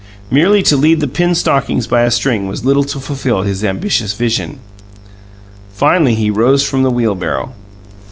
Merely to lead the pinned stockings by a string was little to fulfill his ambitious vision. Finally, he rose from the wheelbarrow.